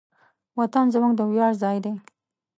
وطن زموږ د ویاړ ځای دی.